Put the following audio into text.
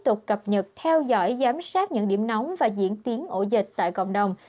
tục cập nhật theo dõi giám sát những điểm nóng và diễn tiến ổ dịch tại cộng đồng